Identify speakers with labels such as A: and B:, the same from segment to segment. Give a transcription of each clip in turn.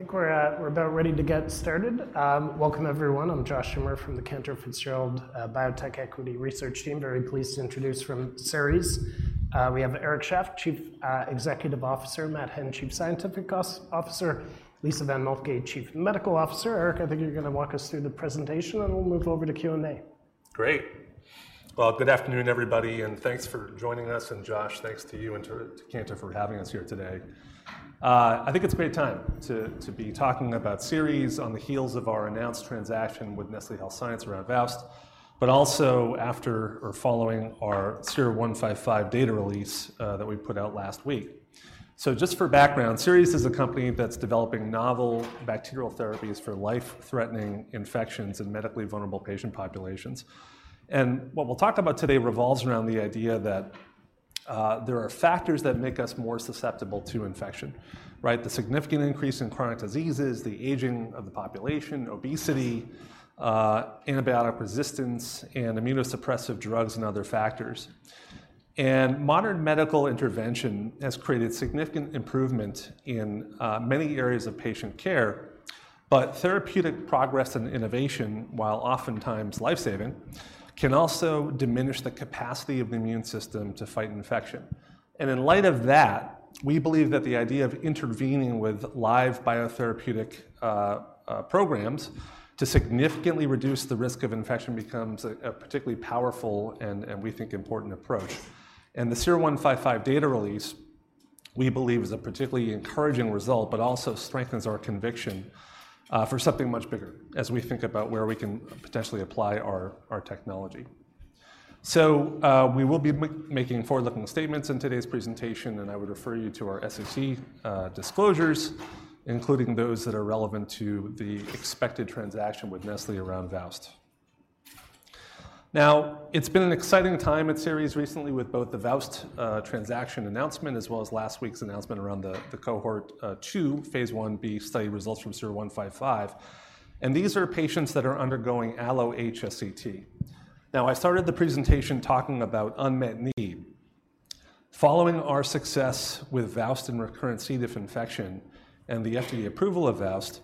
A: I think we're about ready to get started. Welcome, everyone. I'm Josh Schimmer from the Cantor Fitzgerald Biotech Equity Research Team. Very pleased to introduce from Seres, we have Eric Shaff, Chief Executive Officer, Matt Henn, Chief Scientific Officer, Lisa von Moltke, Chief Medical Officer. Eric, I think you're gonna walk us through the presentation, and we'll move over to Q&A.
B: Great. Well, good afternoon, everybody, and thanks for joining us, and Josh, thanks to you and to Cantor for having us here today. I think it's a great time to be talking about Seres on the heels of our announced transaction with Nestlé Health Science around VOWST, but also after or following our SER-155 data release that we put out last week, so just for background, Seres is a company that's developing novel bacterial therapies for life-threatening infections in medically vulnerable patient populations, and what we'll talk about today revolves around the idea that there are factors that make us more susceptible to infection, right? The significant increase in chronic diseases, the aging of the population, obesity, antibiotic resistance, and immunosuppressive drugs, and other factors. Modern medical intervention has created significant improvement in many areas of patient care, but therapeutic progress and innovation, while oftentimes life-saving, can also diminish the capacity of the immune system to fight infection. In light of that, we believe that the idea of intervening with live biotherapeutic programs to significantly reduce the risk of infection becomes a particularly powerful and we think important approach. The SER-155 data release, we believe, is a particularly encouraging result, but also strengthens our conviction for something much bigger as we think about where we can potentially apply our technology. We will be making forward-looking statements in today's presentation, and I would refer you to our SEC disclosures, including those that are relevant to the expected transaction with Nestlé around VOWST. Now, it's been an exciting time at Seres recently with both the VOWST transaction announcement, as well as last week's announcement around the Cohort 2 Phase 1b study results from SER-155, and these are patients that are undergoing allo-HSCT. Now, I started the presentation talking about unmet need. Following our success with VOWST and recurrent C. diff infection and the FDA approval of VOWST,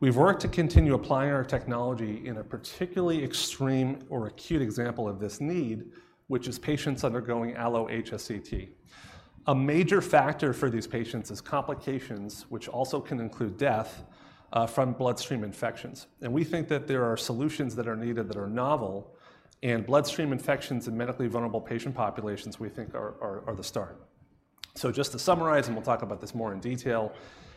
B: we've worked to continue applying our technology in a particularly extreme or acute example of this need, which is patients undergoing allo-HSCT. A major factor for these patients is complications, which also can include death from bloodstream infections, and we think that there are solutions that are needed that are novel, and bloodstream infections in medically vulnerable patient populations, we think, are the start. So just to summarize, and we'll talk about this more in detail,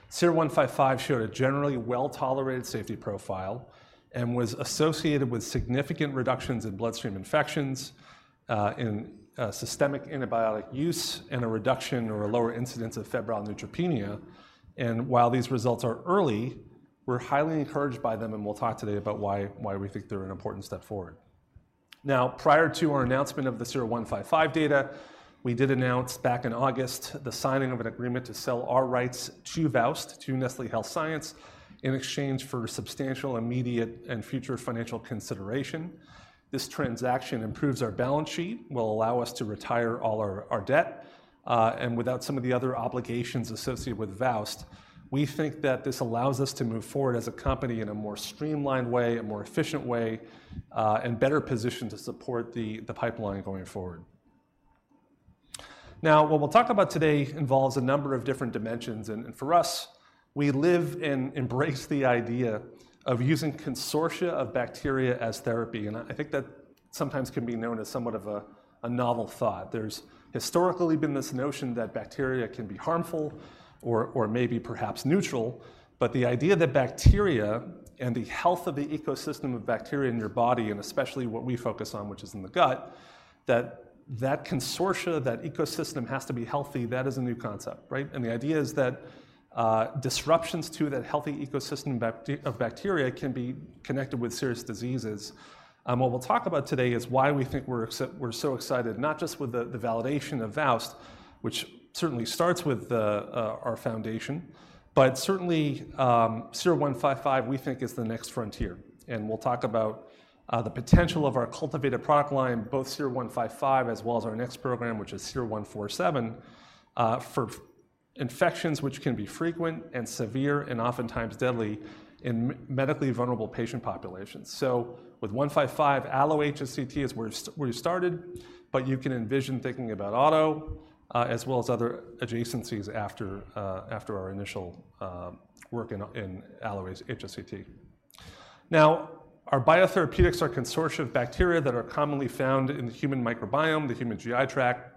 B: SER-155 showed a generally well-tolerated safety profile and was associated with significant reductions in bloodstream infections, systemic antibiotic use, and a reduction or a lower incidence of febrile neutropenia. While these results are early, we're highly encouraged by them, and we'll talk today about why we think they're an important step forward. Now, prior to our announcement of the SER-155 data, we did announce back in August the signing of an agreement to sell our rights to VOWST to Nestlé Health Science, in exchange for substantial, immediate, and future financial consideration. This transaction improves our balance sheet, will allow us to retire all our debt, and without some of the other obligations associated with VOWST, we think that this allows us to move forward as a company in a more streamlined way, a more efficient way, and better positioned to support the pipeline going forward. Now, what we'll talk about today involves a number of different dimensions, and for us, we live and embrace the idea of using consortia of bacteria as therapy, and I think that sometimes can be known as somewhat of a novel thought. There's historically been this notion that bacteria can be harmful or maybe perhaps neutral, but the idea that bacteria and the health of the ecosystem of bacteria in your body, and especially what we focus on, which is in the gut, that that consortia, that ecosystem has to be healthy, that is a new concept, right? And the idea is that disruptions to that healthy ecosystem of bacteria can be connected with serious diseases. What we'll talk about today is why we think we're so excited, not just with the validation of VOWST, which certainly starts with our foundation, but certainly SER-155, we think, is the next frontier. We'll talk about the potential of our cultivated product line, both SER-155, as well as our next program, which is SER-147, for infections, which can be frequent, and severe, and oftentimes deadly in medically vulnerable patient populations. With SER-155, allo-HSCT is where we started, but you can envision thinking about auto, as well as other adjacencies after our initial work in allo-HSCT. Now, our biotherapeutics are consortia of bacteria that are commonly found in the human microbiome, the human GI tract.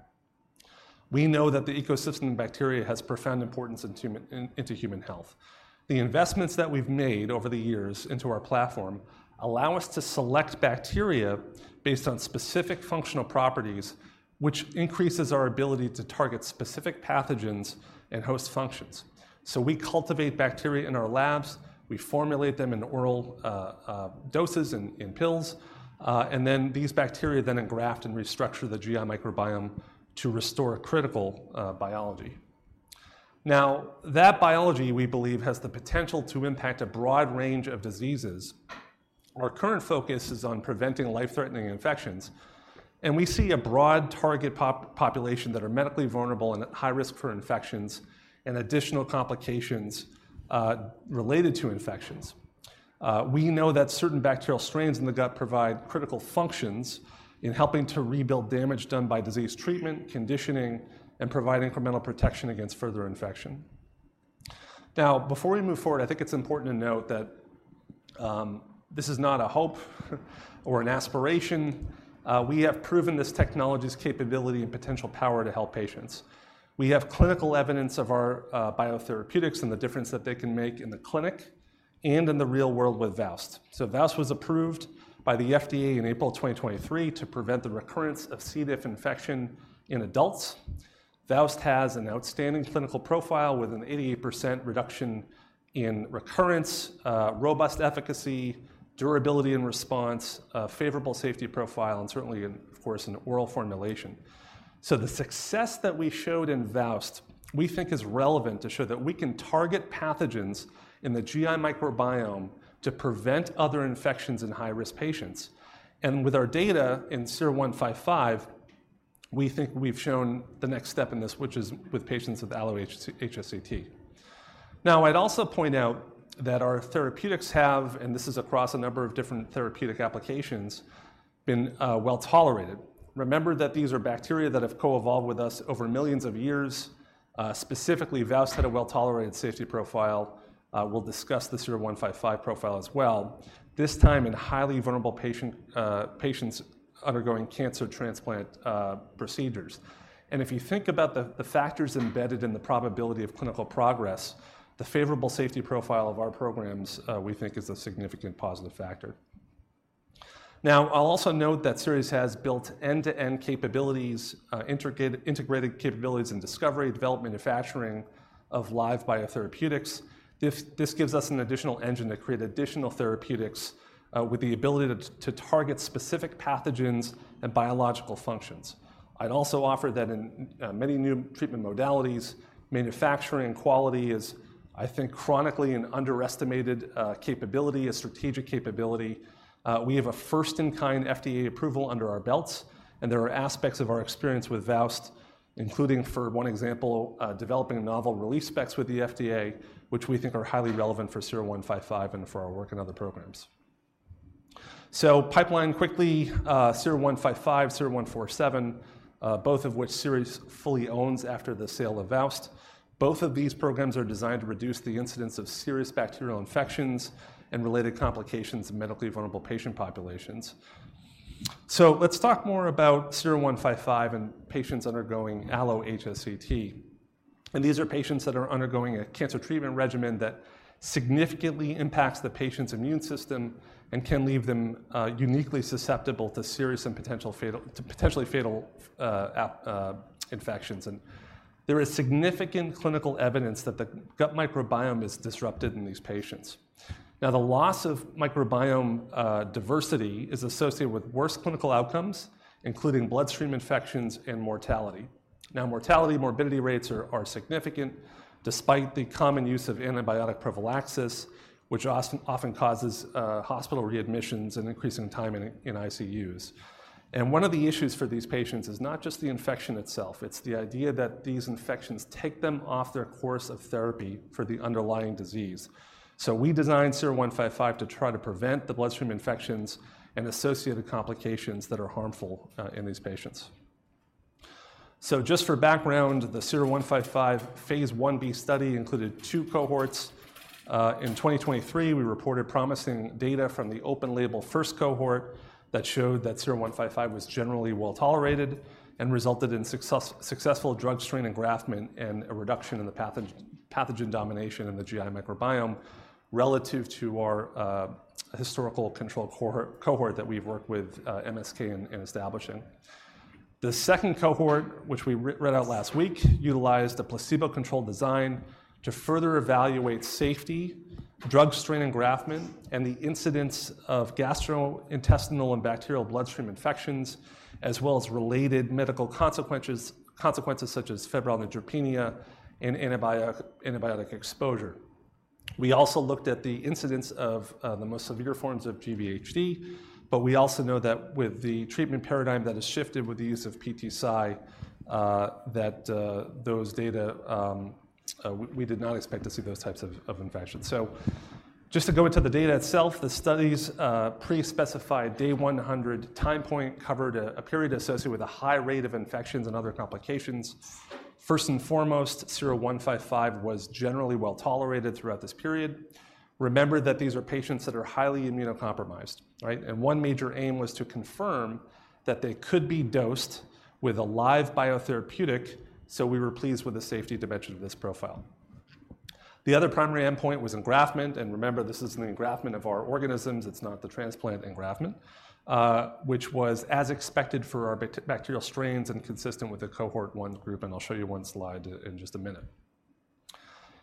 B: We know that the ecosystem of bacteria has profound importance into human health. The investments that we've made over the years into our platform allow us to select bacteria based on specific functional properties, which increases our ability to target specific pathogens and host functions. So we cultivate bacteria in our labs, we formulate them in oral doses, in pills, and then these bacteria then engraft and restructure the GI microbiome to restore critical biology. Now, that biology, we believe, has the potential to impact a broad range of diseases... Our current focus is on preventing life-threatening infections, and we see a broad target population that are medically vulnerable and at high risk for infections and additional complications related to infections. We know that certain bacterial strains in the gut provide critical functions in helping to rebuild damage done by disease treatment, conditioning, and providing incremental protection against further infection. Now, before we move forward, I think it's important to note that this is not a hope or an aspiration. We have proven this technology's capability and potential power to help patients. We have clinical evidence of our biotherapeutics and the difference that they can make in the clinic and in the real world with VOWST, so VOWST was approved by the FDA in April 2023 to prevent the recurrence of C. diff infection in adults. VOWST has an outstanding clinical profile with an 88% reduction in recurrence, robust efficacy, durability and response, a favorable safety profile, and certainly, of course, an oral formulation, so the success that we showed in VOWST, we think is relevant to show that we can target pathogens in the GI microbiome to prevent other infections in high-risk patients, and with our data in SER-155, we think we've shown the next step in this, which is with patients with allo-HSCT. Now, I'd also point out that our therapeutics have, and this is across a number of different therapeutic applications, been well tolerated. Remember that these are bacteria that have co-evolved with us over millions of years, specifically, VOWST had a well-tolerated safety profile. We'll discuss the SER-155 profile as well, this time in highly vulnerable patient, patients undergoing cancer transplant, procedures, and if you think about the factors embedded in the probability of clinical progress, the favorable safety profile of our programs, we think is a significant positive factor. Now, I'll also note that Seres has built end-to-end capabilities, intricate, integrated capabilities in discovery, development, manufacturing of live biotherapeutics. This gives us an additional engine to create additional therapeutics, with the ability to target specific pathogens and biological functions. I'd also offer that in many new treatment modalities, manufacturing quality is, I think, chronically an underestimated capability, a strategic capability. We have a first-in-kind FDA approval under our belts, and there are aspects of our experience with VOWST, including, for one example, developing novel release specs with the FDA, which we think are highly relevant for SER-155 and for our work in other programs. So pipeline quickly, SER-155, SER-147, both of which Seres fully owns after the sale of VOWST. Both of these programs are designed to reduce the incidence of serious bacterial infections and related complications in medically vulnerable patient populations. So let's talk more about SER-155 in patients undergoing allo-HSCT. These are patients that are undergoing a cancer treatment regimen that significantly impacts the patient's immune system and can leave them uniquely susceptible to serious and potentially fatal infections. There is significant clinical evidence that the gut microbiome is disrupted in these patients. Now, the loss of microbiome diversity is associated with worse clinical outcomes, including bloodstream infections and mortality. Now, mortality, morbidity rates are significant despite the common use of antibiotic prophylaxis, which often causes hospital readmissions and increasing time in ICUs. One of the issues for these patients is not just the infection itself, it's the idea that these infections take them off their course of therapy for the underlying disease. We designed SER-155 to try to prevent the bloodstream infections and associated complications that are harmful in these patients. Just for background, the SER-155 Phase 1b study included two cohorts. In 2023, we reported promising data from the open label first cohort that showed that SER-155 was generally well tolerated and resulted in successful drug strain engraftment and a reduction in the pathogen domination in the GI microbiome, relative to our historical control cohort that we've worked with, MSK in establishing. The second cohort, which we read out last week, utilized a placebo-controlled design to further evaluate safety, drug strain engraftment, and the incidence of gastrointestinal and bacterial bloodstream infections, as well as related medical consequences such as febrile neutropenia and antibiotic exposure. We also looked at the incidence of the most severe forms of GvHD, but we also know that with the treatment paradigm that has shifted with the use of PTCy, that those data we did not expect to see those types of infections. So just to go into the data itself, the studies' pre-specified day 100 time point covered a period associated with a high rate of infections and other complications. First and foremost, SER-155 was generally well tolerated throughout this period. Remember that these are patients that are highly immunocompromised, right? One major aim was to confirm that they could be dosed with a live biotherapeutic, so we were pleased with the safety dimension of this profile. The other primary endpoint was engraftment, and remember, this is an engraftment of our organisms, it's not the transplant engraftment, which was as expected for our bacterial strains and consistent with the Cohort 1 group, and I'll show you one slide in just a minute.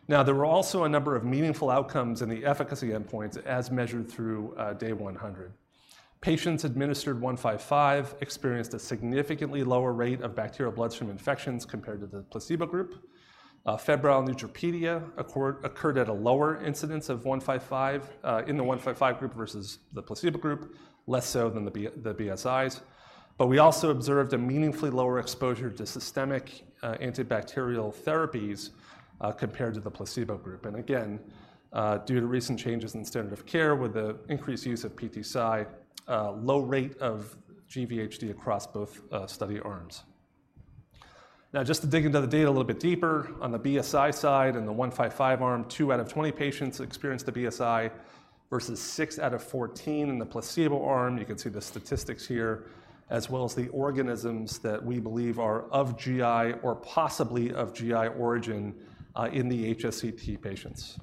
B: Now, there were also a number of meaningful outcomes in the efficacy endpoints as measured through day 100. Patients administered SER-155 experienced a significantly lower rate of bacterial bloodstream infections compared to the placebo group. Febrile neutropenia occurred at a lower incidence in the SER-155 group versus the placebo group, less so than the BSIs. But we also observed a meaningfully lower exposure to systemic antibacterial therapies compared to the placebo group. Again, due to recent changes in standard of care with the increased use of PTCy, a low rate of GvHD across both study arms. Now, just to dig into the data a little bit deeper, on the BSI side, in the SER-155 arm, two out of 20 patients experienced a BSI versus six out of 14 in the placebo arm. You can see the statistics here, as well as the organisms that we believe are of GI or possibly of GI origin in the allo-HSCT patients.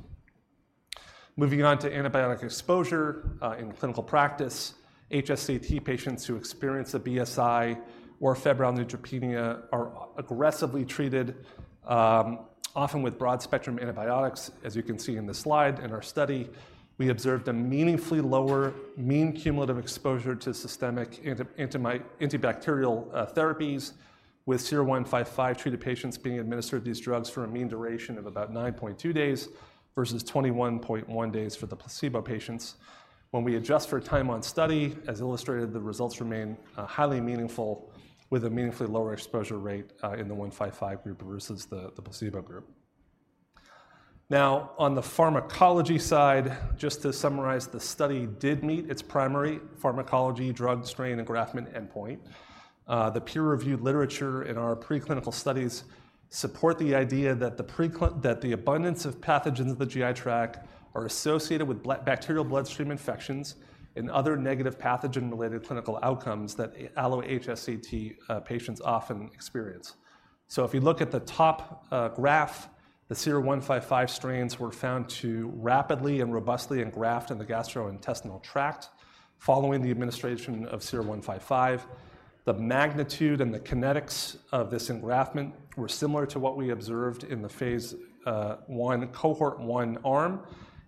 B: Moving on to antibiotic exposure, in clinical practice, allo-HSCT patients who experience a BSI or febrile neutropenia are aggressively treated, often with broad-spectrum antibiotics, as you can see in the slide. In our study, we observed a meaningfully lower mean cumulative exposure to systemic antibacterial therapies, with SER-155-treated patients being administered these drugs for a mean duration of about 9.2 days versus 21.1 days for the placebo patients. When we adjust for time on study, as illustrated, the results remain highly meaningful, with a meaningfully lower exposure rate in the SER-155 group versus the placebo group. Now, on the pharmacology side, just to summarize, the study did meet its primary pharmacology, drug strain, engraftment endpoint. The peer-reviewed literature in our preclinical studies support the idea that the abundance of pathogens in the GI tract are associated with bacterial bloodstream infections and other negative pathogen-related clinical outcomes that allo-HSCT patients often experience. So if you look at the top graph, the SER-155 strains were found to rapidly and robustly engraft in the gastrointestinal tract following the administration of SER-155. The magnitude and the kinetics of this engraftment were similar to what we observed in the Phase 1, Cohort 1 arm,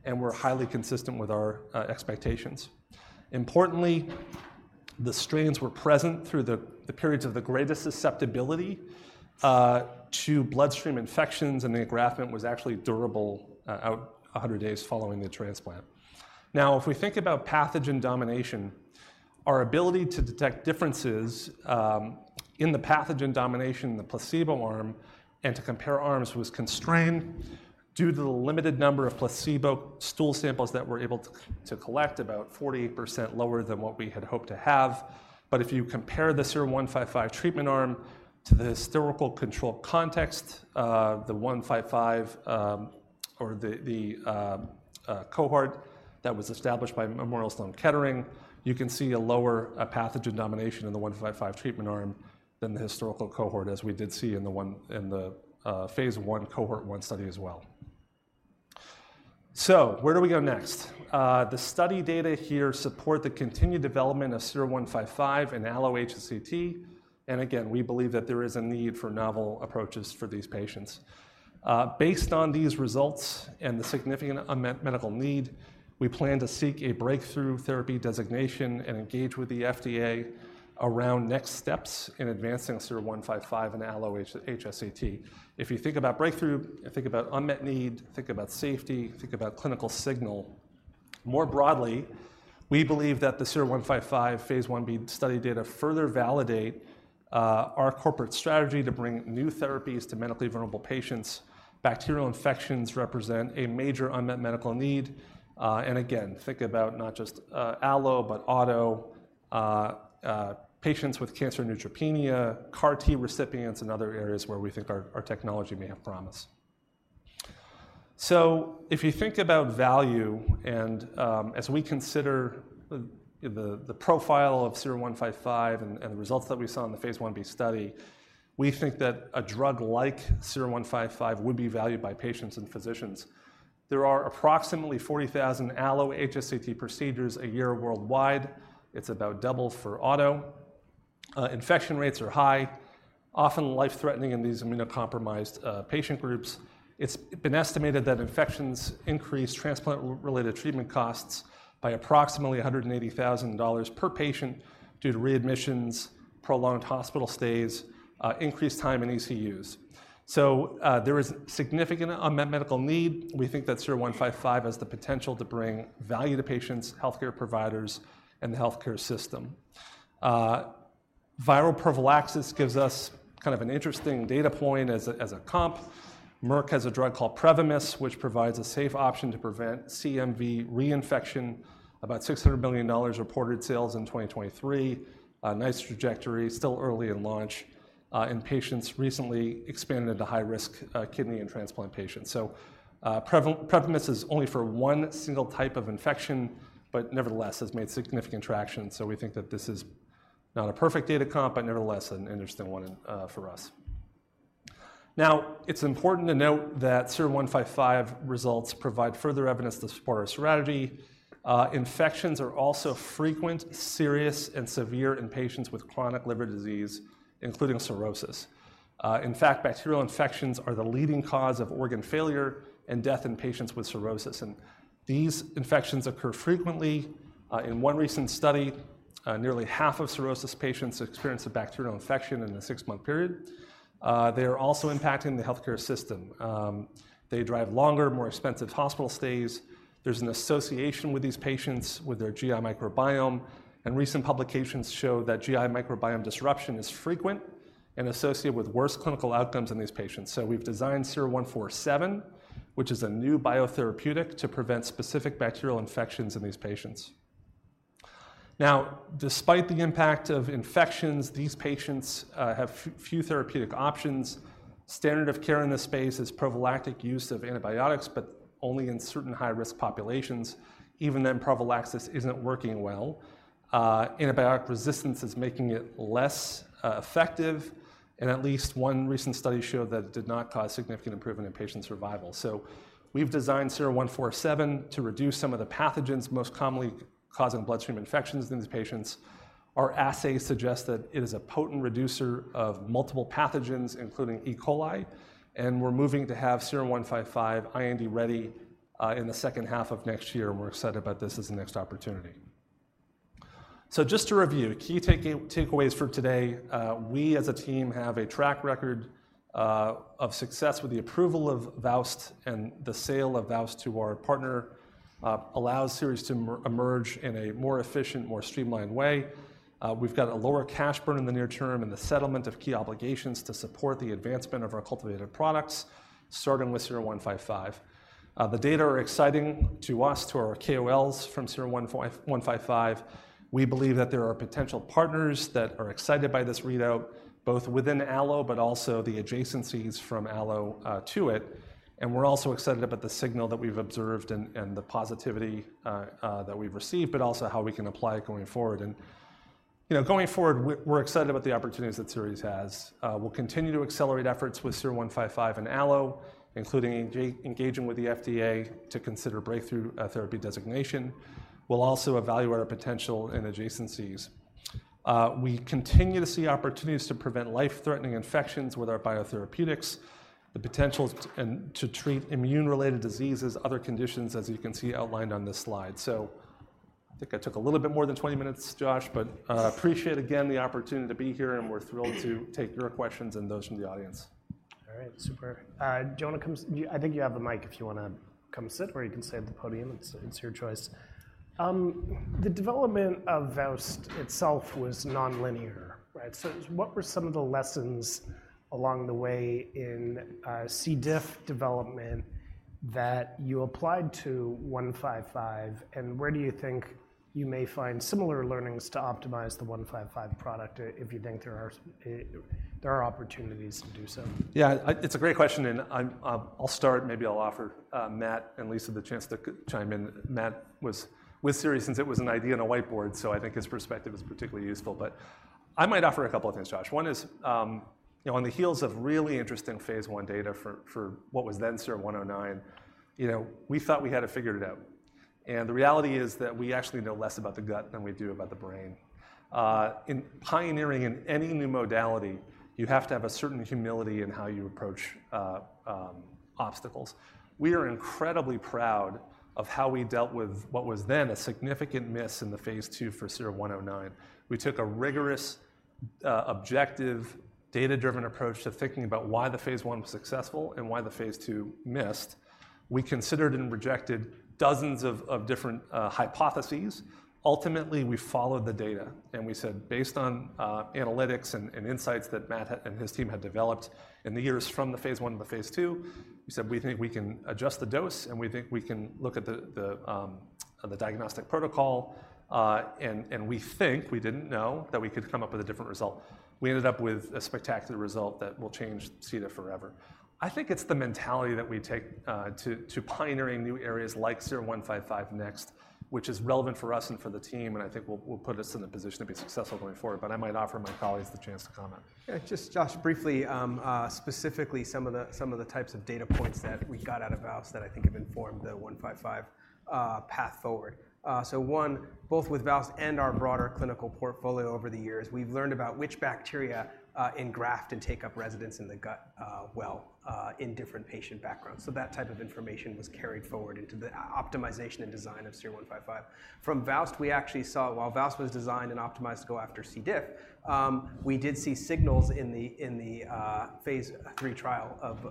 B: and were highly consistent with our expectations. Importantly, the strains were present through the periods of the greatest susceptibility to bloodstream infections, and the engraftment was actually durable out 100 days following the transplant. Now, if we think about pathogen domination, our ability to detect differences in the pathogen domination in the placebo arm and to compare arms was constrained due to the limited number of placebo stool samples that we're able to collect, about 48% lower than what we had hoped to have. But if you compare the SER-155 treatment arm to the historical control context, the SER-155, or the cohort that was established by Memorial Sloan Kettering, you can see a lower, a pathogen domination in the SER-155 treatment arm than the historical cohort, as we did see in the one, in the Phase 1, Cohort 1 study as well. So where do we go next? The study data here support the continued development of SER-155 and allo-HSCT. And again, we believe that there is a need for novel approaches for these patients. Based on these results and the significant unmet medical need, we plan to seek a breakthrough therapy designation and engage with the FDA around next steps in advancing SER-155 and allo-HSCT. If you think about breakthrough, think about unmet need, think about safety, think about clinical signal. More broadly, we believe that the SER-155 Phase 1b study data further validate our corporate strategy to bring new therapies to medically vulnerable patients. Bacterial infections represent a major unmet medical need, and again, think about not just allo, but auto, patients with cancer neutropenia, CAR-T recipients, and other areas where we think our technology may have promise. So if you think about value, and, as we consider the profile of SER-155 and the results that we saw in the Phase 1b study, we think that a drug like SER-155 would be valued by patients and physicians. There are approximately 40,000 allo-HSCT procedures a year worldwide. It's about double for auto. Infection rates are high, often life-threatening in these immunocompromised patient groups. It's been estimated that infections increase transplant-related treatment costs by approximately $180,000 per patient due to readmissions, prolonged hospital stays, increased time in ICUs. There is significant unmet medical need. We think that SER-155 has the potential to bring value to patients, healthcare providers, and the healthcare system. Viral prophylaxis gives us kind of an interesting data point as a comp. Merck has a drug called PREVYMIS, which provides a safe option to prevent CMV reinfection. About $600 million reported sales in 2023. Nice trajectory, still early in launch, and patients recently expanded to high-risk kidney and transplant patients. PREVYMIS is only for one single type of infection, but nevertheless, has made significant traction. So we think that this is not a perfect data comp, but nevertheless, an interesting one, for us. Now, it's important to note that SER-155 results provide further evidence to support our strategy. Infections are also frequent, serious, and severe in patients with chronic liver disease, including cirrhosis. In fact, bacterial infections are the leading cause of organ failure and death in patients with cirrhosis, and these infections occur frequently. In one recent study, nearly half of cirrhosis patients experienced a bacterial infection in a six-month period. They are also impacting the healthcare system. They drive longer, more expensive hospital stays. There's an association with these patients, with their GI microbiome, and recent publications show that GI microbiome disruption is frequent and associated with worse clinical outcomes in these patients. So we've designed SER-147, which is a new biotherapeutic, to prevent specific bacterial infections in these patients. Now, despite the impact of infections, these patients have few therapeutic options. Standard of care in this space is prophylactic use of antibiotics, but only in certain high-risk populations. Even then, prophylaxis isn't working well. Antibiotic resistance is making it less effective, and at least one recent study showed that it did not cause significant improvement in patient survival. So we've designed SER-147 to reduce some of the pathogens most commonly causing bloodstream infections in these patients. Our assays suggest that it is a potent reducer of multiple pathogens, including E. coli, and we're moving to have SER-155 IND ready in the second half of next year, and we're excited about this as the next opportunity. So just to review, key takeaways for today, we, as a team, have a track record of success with the approval of VOWST, and the sale of VOWST to our partner allows Seres to emerge in a more efficient, more streamlined way. We've got a lower cash burn in the near term and the settlement of key obligations to support the advancement of our cultivated products, starting with SER-155. The data are exciting to us, to our KOLs from SER-155. We believe that there are potential partners that are excited by this readout, both within allo, but also the adjacencies from allo to it, and we're also excited about the signal that we've observed and the positivity that we've received, but also how we can apply it going forward. And, you know, going forward, we're excited about the opportunities that Seres has. We'll continue to accelerate efforts with SER-155 and allo, including engaging with the FDA to consider breakthrough therapy designation. We'll also evaluate our potential in adjacencies. We continue to see opportunities to prevent life-threatening infections with our biotherapeutics, the potentials and to treat immune-related diseases, other conditions, as you can see outlined on this slide. So I think I took a little bit more than twenty minutes, Josh, but, appreciate again the opportunity to be here, and we're thrilled to take your questions and those from the audience.
A: All right. Super. Do you wanna come? I think you have the mic if you wanna come sit, or you can stay at the podium. It's your choice. The development of VOWST itself was non-linear, right? So what were some of the lessons along the way in C. diff development that you applied to SER-155, and where do you think you may find similar learnings to optimize the SER-155 product if you think there are opportunities to do so?
B: Yeah, it's a great question, and I'm, I'll start. Maybe I'll offer Matt and Lisa the chance to chime in. Matt was with Seres since it was an idea on a whiteboard, so I think his perspective is particularly useful. But I might offer a couple of things, Josh. One is, you know, on the heels of really interesting Phase 1 data for what was then SER-109, you know, we thought we had it figured it out, and the reality is that we actually know less about the gut than we do about the brain. In pioneering in any new modality, you have to have a certain humility in how you approach obstacles. We are incredibly proud of how we dealt with what was then a significant miss in the Phase 2 for SER-109. We took a rigorous, objective, data-driven approach to thinking about why the phase I was successful and why the Phase 2 missed. We considered and rejected dozens of different hypotheses. Ultimately, we followed the data, and we said, based on analytics and insights that Matt and his team had developed in the years from the Phase 1 to the Phase 2, we said: We think we can adjust the dose, and we think we can look at the diagnostic protocol, and we think, we didn't know, that we could come up with a different result. We ended up with a spectacular result that will change C. diff forever. I think it's the mentality that we take to pioneering new areas like SER-155 next, which is relevant for us and for the team, and I think will put us in the position to be successful going forward, but I might offer my colleagues the chance to comment.
C: Yeah, just Josh, briefly, specifically, some of the types of data points that we got out of VOWST that I think have informed the SER-155 path forward. So one, both with VOWST and our broader clinical portfolio over the years, we've learned about which bacteria engraft and take up residence in the gut in different patient backgrounds. So that type of information was carried forward into the optimization and design of SER-155. From VOWST, we actually saw, while VOWST was designed and optimized to go after C. diff, we did see signals in the Phase 3 trial of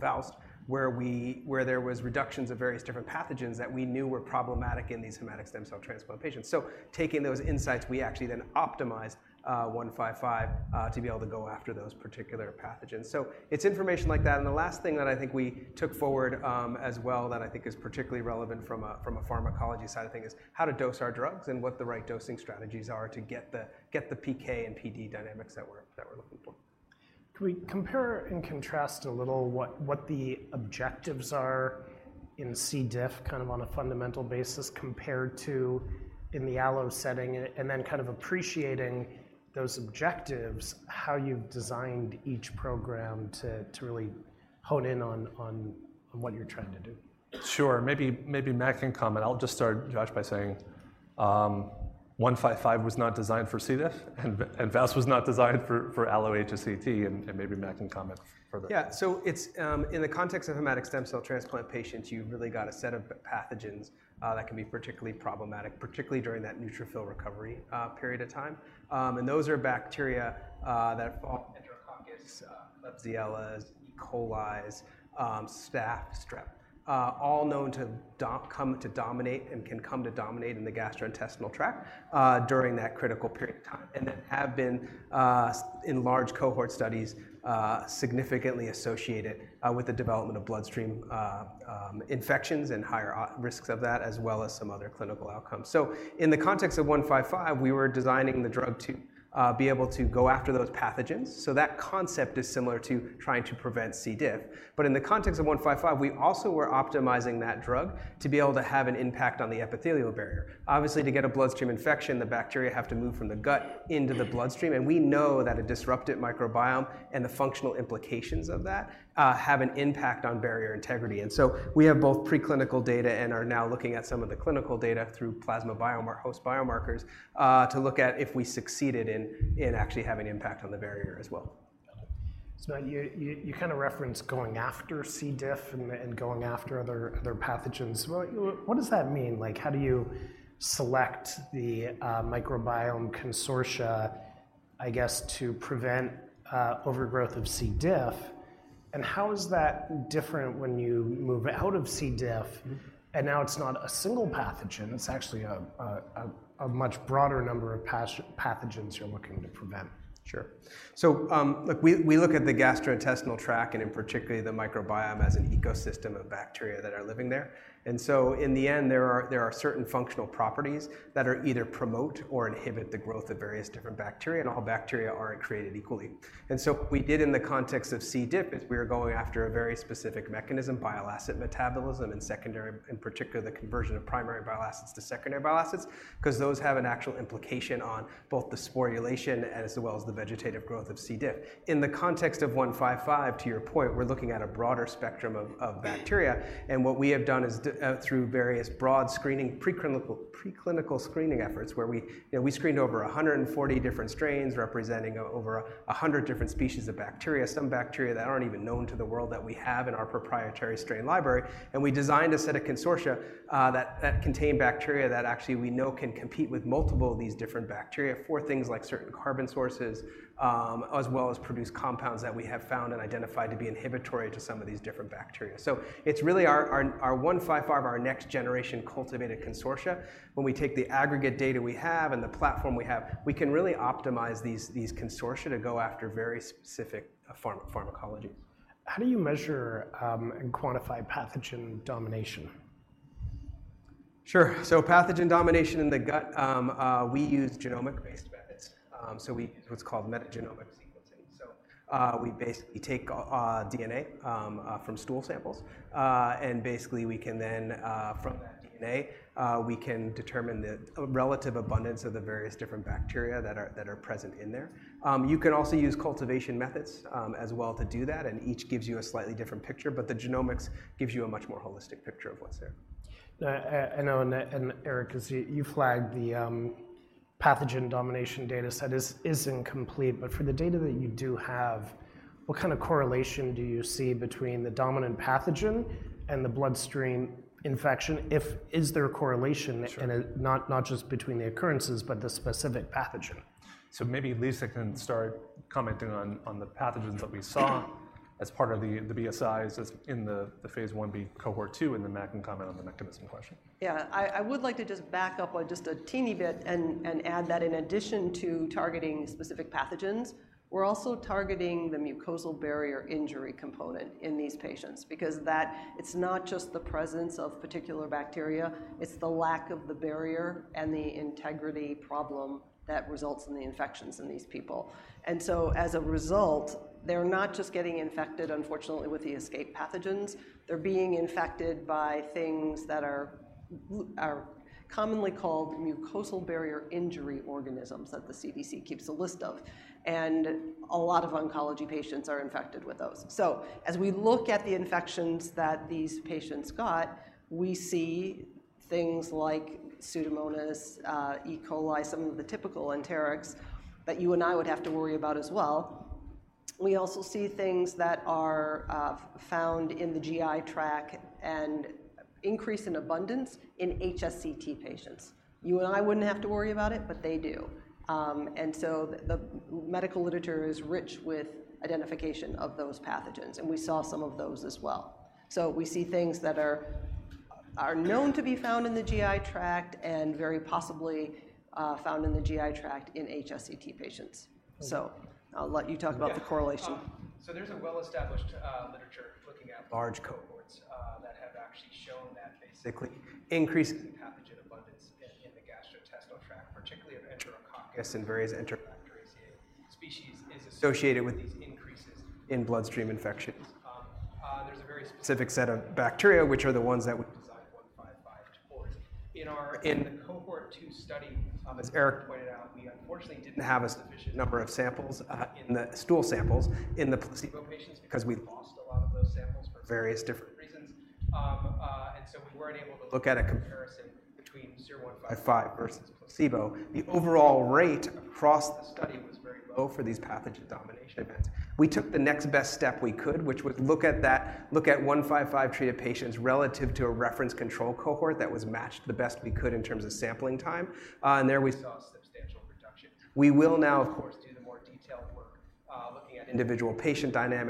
C: VOWST, where there was reductions of various different pathogens that we knew were problematic in these hematologic stem cell transplant patients. So taking those insights, we actually then optimized, SER-155, to be able to go after those particular pathogens. So it's information like that, and the last thing that I think we took forward, as well, that I think is particularly relevant from a pharmacology side of thing, is how to dose our drugs and what the right dosing strategies are to get the PK and PD dynamics that we're looking for.
A: Can we compare and contrast a little what the objectives are in C. diff, kind of on a fundamental basis, compared to in the Allo setting, and then kind of appreciating those objectives, how you've designed each program to really hone in on what you're trying to do?
B: Sure. Maybe Matt can comment. I'll just start, Josh, by saying SER-155 was not designed for C. diff, and VOWST was not designed for allo-HSCT, and maybe Matt can comment further.
C: Yeah, so it's in the context of hematologic stem cell transplant patients. You've really got a set of pathogens that can be particularly problematic, particularly during that neutrophil recovery period of time. And those are bacteria, Enterococcus, Klebsiella, E. coli, staph, strep, all known to come to dominate and can come to dominate in the gastrointestinal tract during that critical period of time, and that have been in large cohort studies significantly associated with the development of bloodstream infections and higher risks of that, as well as some other clinical outcomes. So in the context of SER-155, we were designing the drug to be able to go after those pathogens. So that concept is similar to trying to prevent C. diff. But in the context of SER-155, we also were optimizing that drug to be able to have an impact on the epithelial barrier. Obviously, to get a bloodstream infection, the bacteria have to move from the gut into the bloodstream, and we know that a disrupted microbiome and the functional implications of that have an impact on barrier integrity. And so we have both preclinical data and are now looking at some of the clinical data through plasma biomarkers, host biomarkers to look at if we succeeded in actually having an impact on the barrier as well.
A: Got it. So you kind of referenced going after C. diff and going after other pathogens. What does that mean? Like, how do you select the microbiome consortia, I guess, to prevent overgrowth of C. diff? And how is that different when you move out of C. diff, and now it's not a single pathogen, it's actually a much broader number of pathogens you're looking to prevent?
C: Sure. So, look, we look at the gastrointestinal tract, and in particular the microbiome, as an ecosystem of bacteria that are living there. And so in the end, there are certain functional properties that are either promote or inhibit the growth of various different bacteria, and all bacteria aren't created equally. And so what we did in the context of C. diff is we were going after a very specific mechanism, bile acid metabolism, and secondary, in particular, the conversion of primary bile acids to secondary bile acids, 'cause those have an actual implication on both the sporulation as well as the vegetative growth of C. diff. In the context of SER-155, to your point, we're looking at a broader spectrum of bacteria, and what we have done is through various broad screening, preclinical screening efforts, where we you know. We screened over a hundred and forty different strains, representing over a hundred different species of bacteria, some bacteria that aren't even known to the world, that we have in our proprietary strain library. And we designed a set of consortia, that contain bacteria that actually we know can compete with multiple of these different bacteria for things like certain carbon sources, as well as produce compounds that we have found and identified to be inhibitory to some of these different bacteria. So it's really our SER-155, our next generation cultivated consortia. When we take the aggregate data we have and the platform we have, we can really optimize these consortia to go after very specific pharmacology.
A: How do you measure, and quantify pathogen domination?
C: Sure. So, pathogen domination in the gut, we use genomic-based methods. So, we use what's called metagenomic sequencing. So, we basically take DNA from stool samples, and basically, we can then, from that DNA, we can determine the relative abundance of the various different bacteria that are present in there. You can also use cultivation methods, as well to do that, and each gives you a slightly different picture, but the genomics gives you a much more holistic picture of what's there.
A: I know, and Eric, 'cause you flagged the pathogen domination data set is incomplete, but for the data that you do have, what kind of correlation do you see between the dominant pathogen and the bloodstream infection? If- is there a correlation-
B: Sure
A: And it not just between the occurrences, but the specific pathogen?
B: Maybe Lisa can start commenting on the pathogens that we saw as part of the BSIs, as in the Phase 1b, Cohort 2, and then Matt can comment on the mechanism question.
D: Yeah, I would like to just back up just a teeny bit and add that in addition to targeting specific pathogens, we're also targeting the mucosal barrier injury component in these patients because it's not just the presence of particular bacteria, it's the lack of the barrier and the integrity problem that results in the infections in these people. And so as a result, they're not just getting infected, unfortunately, with the escape pathogens, they're being infected by things that are commonly called mucosal barrier injury organisms, that the CDC keeps a list of, and a lot of oncology patients are infected with those. So as we look at the infections that these patients got, we see things like Pseudomonas, E. coli, some of the typical enterics that you and I would have to worry about as well. We also see things that are found in the GI tract and increase in abundance in allo-HSCT patients. You and I wouldn't have to worry about it, but they do. And so the medical literature is rich with identification of those pathogens, and we saw some of those as well. So we see things that are known to be found in the GI tract and very possibly found in the GI tract in allo-HSCT patients.
A: Okay.
D: So I'll let you talk about the correlation.
C: Yeah, so there's a well-established literature looking at large cohorts that have actually shown that basically increases in pathogen abundance in the gastrointestinal tract, particularly of Enterococcus and various Enterobacteriaceae species, is associated with these increases in bloodstream infections. There's a very specific set of bacteria, which are the ones that we designed SER-155 towards. In the Cohort 2 study, as Eric pointed out, we unfortunately didn't have a sufficient number of samples in the stool samples in the placebo patients because we lost a lot of those samples for various different reasons. And so we weren't able to look at a comparison between SER-155 versus placebo. The overall rate across the study was very low for these pathogen domination events. We took the next best step we could, which was look at SER-155 treated patients relative to a reference control cohort that was matched the best we could in terms of sampling time. And there we saw a substantial reduction. We will now, of course, do the more detailed work, looking at individual patient dynamics.